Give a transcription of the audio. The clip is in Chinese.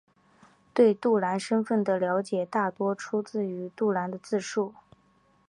对杜兰身份的了解大多出自于杜兰的自述。